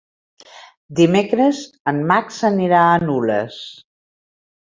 Dimecres en Max anirà a Nules.